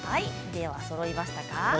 では、そろいましたか？